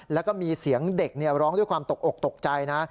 แล้วก็มีเสียงเด็กร้องด้วยความตกอกตกใจนะ